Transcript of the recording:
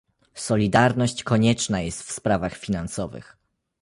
Solidarność konieczna jest w sprawach finansowych